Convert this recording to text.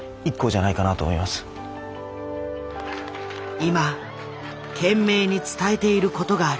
今懸命に伝えている事がある。